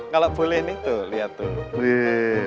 kalau boleh ini tuh lihat tuh